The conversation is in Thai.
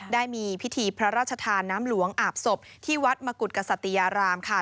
ได้มีพิธีพระราชทานน้ำหลวงอาบศพที่วัดมกุฎกษัตยารามค่ะ